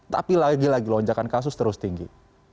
tapi lagi lagi lonjakan kasus terus tinggi